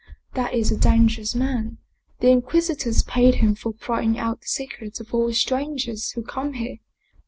That is a dangerous man. The Inquisitors pay him for prying out the secrets of all strangers who come here.